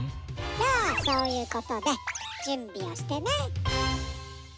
じゃあそういうことでじゅんびをしてね。